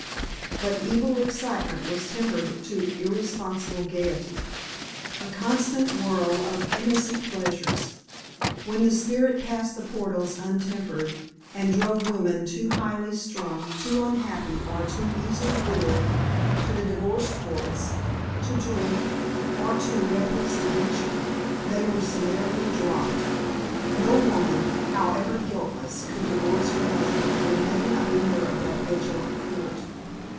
But evil excitement was tempered to irresponsible gaiety, a constant whirl of innocent pleasures. When the spirit passed the portals untempered, and drove women too highly strung, too unhappy, or too easily bored, to the divorce courts, to drink, or to reckless adventure, they were summarily dropped. No woman, however guiltless, could divorce her husband and remain a member of that vigilant court.